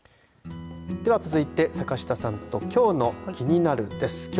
では、続いて坂下さんときょうのキニナル！です。